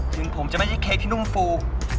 ถึงผมจะไม่ใช่เค้กที่นุ่มฟู